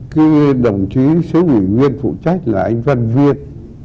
cứ đồng chí sứ quỷ nguyên phụ trách là anh văn viên